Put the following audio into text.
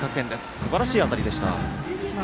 すばらしい当たりでした。